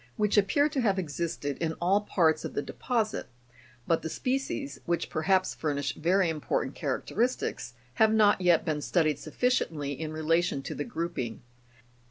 80), which appear to have existed in all parts of the depo sit ; but the species, which perhaps furnish very important charac teristics, have not yet been studied sufficiently in relation to the grouping.